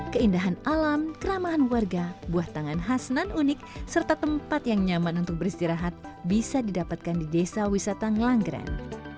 keindahan alam keramahan warga buah tangan khas nan unik serta tempat yang nyaman untuk beristirahat bisa didapatkan di desa wisata ngelanggeran